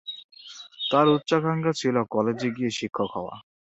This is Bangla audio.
তার উচ্চাকাঙ্ক্ষা ছিল কলেজে গিয়ে শিক্ষক হওয়া।